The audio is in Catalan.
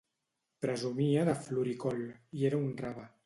Presumia de floricol... i era un rave.